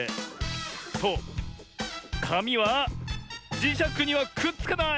そうかみはじしゃくにはくっつかない！